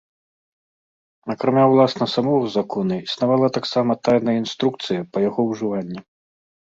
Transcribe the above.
Акрамя ўласна самога закона існавала таксама тайная інструкцыя па яго ўжыванні.